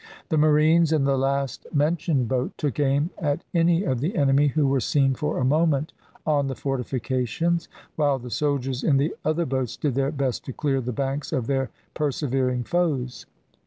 The marines, in the last mentioned boat, took aim at any of the enemy who were seen for a moment on the fortifications, while the soldiers in the other boats did their best to clear the banks of their persevering foes.